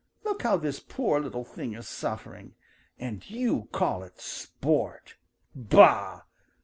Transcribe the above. Look how this poor little thing is suffering. And you call it sport. Bah!